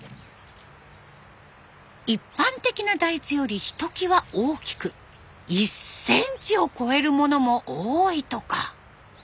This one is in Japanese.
一般的な大豆よりひときわ大きく１センチを超えるものも多いとか。